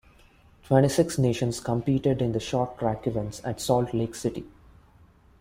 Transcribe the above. Twenty-six nations competed in the short track events at Salt Lake City.